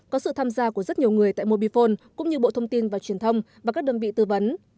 có sự tham gia của rất nhiều người tại mobifone cũng như bộ thông tin và truyền thông và các đơn vị tư vấn